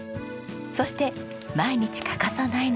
そして毎日欠かさないのが。